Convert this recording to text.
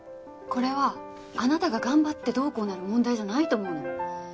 これはあなたが頑張ってどうこうなる問題じゃないと思うの。